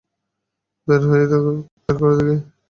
বের কর দেখি।